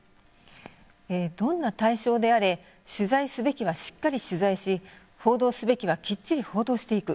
どんな対象であれ取材すべきはしっかり取材し報道すべきはきっちり報道していく。